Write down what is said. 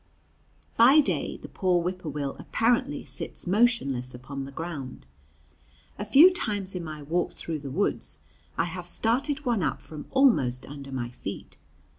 By day the whip poor will apparently sits motionless upon the ground. A few times in my walks through the woods I have started one up from almost under my feet.